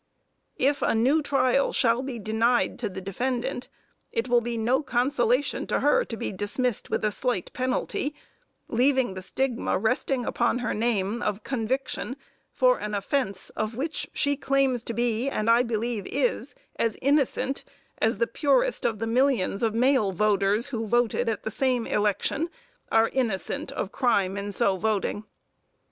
If a new trial shall be denied to the defendant, it will be no consolation to her to be dismissed with a slight penalty, leaving the stigma resting upon her name, of conviction for an offence, of which she claims to be, and I believe is, as innocent as the purest of the millions of male voters who voted at the same election, are innocent of crime in so voting.